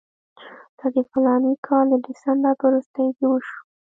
دا د فلاني کال د ډسمبر په وروستیو کې وشو.